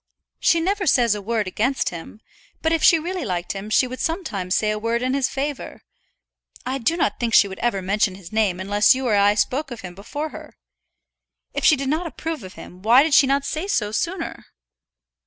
"She never says a word against him; but if she really liked him she would sometimes say a word in his favour. I do not think she would ever mention his name unless you or I spoke of him before her. If she did not approve of him, why did she not say so sooner?"